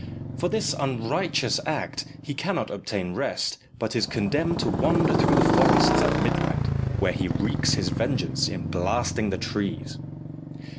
"For this unrighteous act he cannot obtain rest, but is condemned to wander through the forest at midnight, where he wreaks his vengeance in blasting the trees."